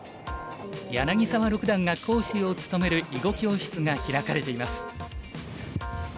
柳澤六段が講師を務める囲碁教室が開かれています。